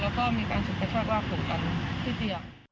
แล้วก็มีการฉุดกระชากว่าผมกันที่เตียง